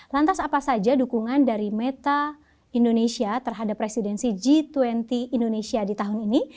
lantas apa saja dukungan dari meta indonesia terhadap presidensi g dua puluh indonesia di tahun ini